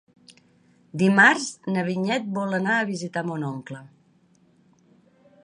Dimarts na Vinyet vol anar a visitar mon oncle.